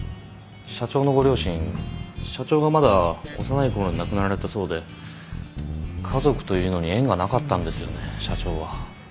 社長のご両親社長がまだ幼いころに亡くなられたそうで家族というのに縁がなかったんですよね社長は。